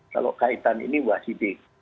kalau kaitan ini pak siddiq